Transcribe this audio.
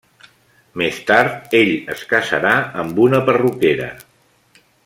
Més tard, ell es casarà amb una perruquera.